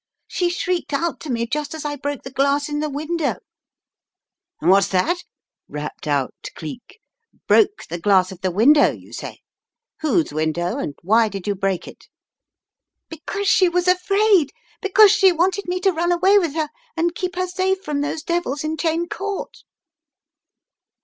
She shrieked out to me, just as I broke the glass in the window." "What's that?" rapped out Cleek. "Broke the glass of the window, you say? Whose window and why did you break it? " "Because she was afraid. Because she wanted me to run away with her and keep her safe from those devils in Cheyne Court!"